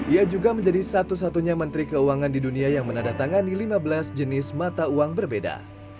ia juga menjadi satu satunya menteri keuangan di dunia yang menandatangani lima belas jenis mata uang berbeda